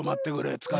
つかれた。